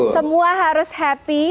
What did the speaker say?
semua harus happy